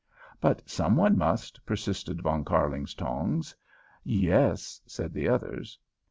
"But some one must," persisted Von Kärlingtongs. "Yes," said the others.